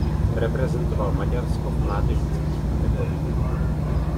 Reprezentoval Maďarsko v mládežnických kategoriích.